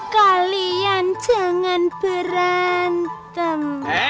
kalian jangan berantem